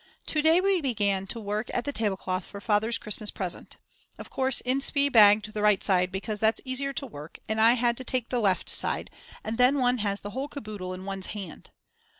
To day we began to work at the tablecloth for Father's Christmas present. Of course Inspee bagged the right side because that's easier to work at and I had to take the left side and then one has the whole caboodle on one's hand.